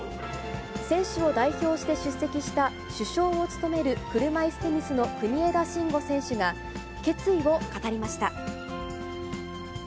選手を代表して出席した、主将を務める車いすテニスの国枝慎吾選手が決意を語りました。